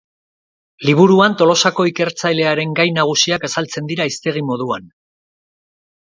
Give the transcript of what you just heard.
Liburuan Tolosako ikertzailearen gai nagusiak azaltzen dira hiztegi moduan.